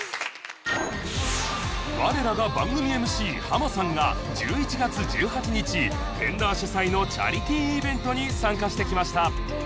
我らが番組 ＭＣ ハマさんが１１月１８日 Ｆｅｎｄｅｒ 主催のチャリティーイベントに参加してきました